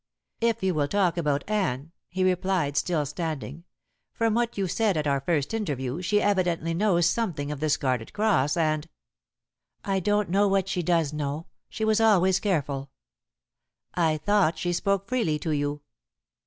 "If you will talk about Anne," he replied, still standing. "From what you said at our first interview, she evidently knows something of the Scarlet Cross, and " "I don't know what she does know. She was always careful." "I thought she spoke freely to you."